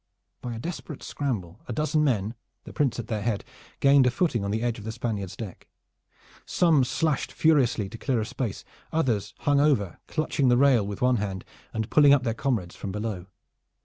By a desperate scramble a dozen men, the Prince at their head, gained a footing on the edge of the Spaniard's deck. Some slashed furiously to clear a space, others hung over, clutching the rail with one hand and pulling up their comrades from below.